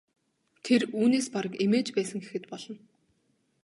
Тэр үүнээс бараг эмээж байсан гэхэд болно.